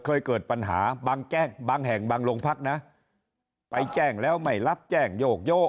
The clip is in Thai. เคยเกิดปัญหาบางแจ้งบางแห่งบางโรงพักนะไปแจ้งแล้วไม่รับแจ้งโยกโยก